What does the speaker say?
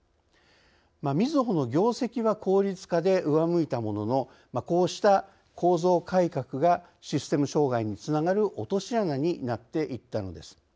みずほの業績は効率化で上向いたもののこうした構造改革がシステム障害につながる落とし穴になっていったのです。